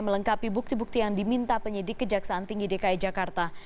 melengkapi bukti bukti yang diminta penyidik kejaksaan tinggi dki jakarta